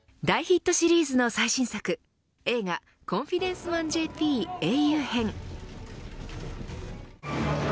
大ヒットシリーズの最新作映画コンフィデンスマンＪＰ英雄編。